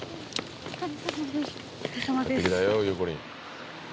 お疲れさまです